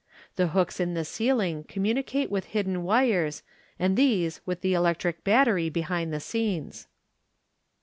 The hooks in the ceiling communicate with hidden wires, and these with the electric battery behind the scenes.